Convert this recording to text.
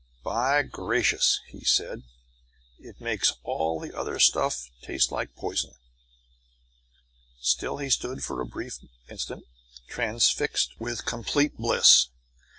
"By gracious," he said, "it makes all the other stuff taste like poison." Still he stood for a brief instant, transfixed with complete bliss.